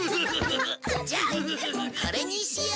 じゃあこれにしよう。